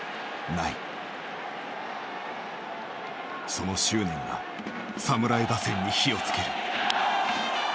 その執念が侍打線に火を付ける。